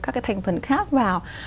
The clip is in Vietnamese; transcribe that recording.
các cái thành phần khác vào